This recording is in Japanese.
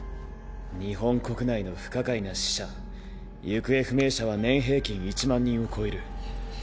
日本国内の不可解な死者行方不明者は年平均１万人を超える。